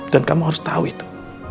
dan kamu harus tahu itu